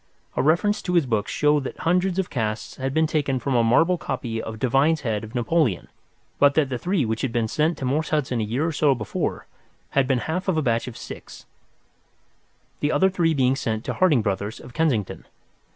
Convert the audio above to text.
A reference to his books showed that hundreds of casts had been taken from a marble copy of Devine's head of Napoleon, but that the three which had been sent to Morse Hudson a year or so before had been half of a batch of six, the other three being sent to Harding Brothers, of Kensington.